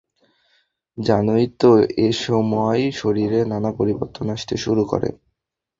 জানোই তো, এসময় শরীরে নানা পরিবর্তন আসতে শুরু করে।